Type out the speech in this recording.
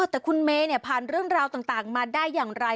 แต่คุณเมย์ผ่านเรื่องราวต่างมาได้อย่างไร